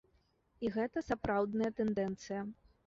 І гэта сапраўдная тэндэнцыя.